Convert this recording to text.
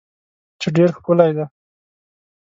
چې ډیر ښکلی دی